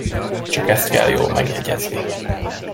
Csak ezt kell jól megjegyezni.